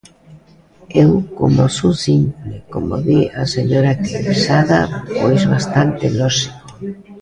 Eu, como son simple, como di a señora Queixada, pois, bastante lóxico.